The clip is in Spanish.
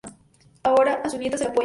Adora a su nieta y la apoya en todo.